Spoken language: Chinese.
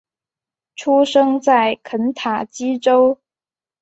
出生在肯塔基州。